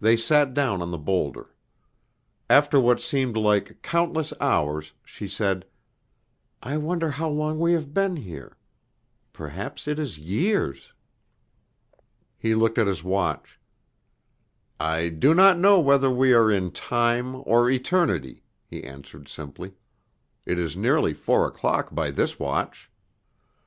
They sat down on the boulder. After what seemed like countless hours, she said, "I wonder how long we have been here. Perhaps it is years." He looked at his watch. "I do not know whether we are in time or eternity," he answered simply. "It is nearly four o'clock by this watch."